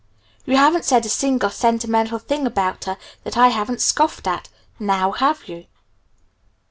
You haven't said a single sentimental thing about her that I haven't scoffed at now have you?"